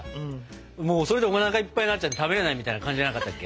もうそれでおなかいっぱいになっちゃって食べれないみたいな感じじゃなかったっけ。